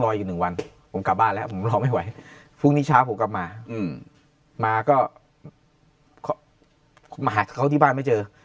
รอไม่ไหวพรุ่งนี้เช้าผมกลับมามาก็มาหาเขาที่บ้านไม่เจอ